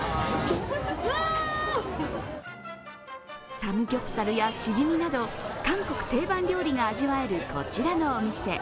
サムギョプサルやチヂミなど韓国定番料理が味わえるこちらのお店。